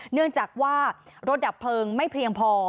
เนื่องจากว่ารถดับเพลิงไม่เพียงพอ